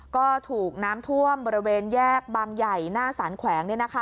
ก็ถูกน้ำท่วมบริเวณแยกบางใหญ่หน้าสารแขวง